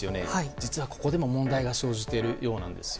実はここでも問題が生じているようなんです。